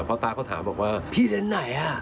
เพราะต๊ะเขาถามว่าพี่เรียนไหนอ่ะ